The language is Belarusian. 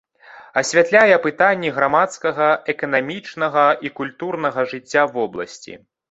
Асвятляе пытанні грамадскага, эканамічнага і культурнага жыцця вобласці.